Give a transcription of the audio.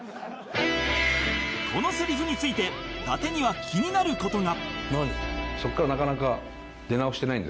このセリフについて伊達には気になる事が